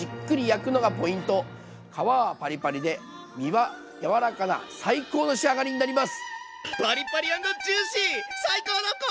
皮はパリパリで身は柔らかな最高の仕上がりになります。